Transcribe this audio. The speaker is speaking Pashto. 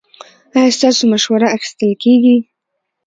ایا ستاسو مشوره اخیستل کیږي؟